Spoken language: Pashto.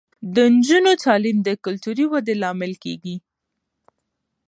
د نجونو تعلیم د کلتوري ودې لامل کیږي.